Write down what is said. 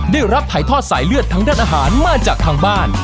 ได้รับถ่ายทอดสายเลือดทางด้านอาหารมาจากทางบ้าน